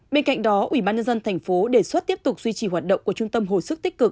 bên cạnh đó ủy ban nhân dân thành phố đề xuất tiếp tục duy trì hoạt động của trung tâm hồi sức tích cực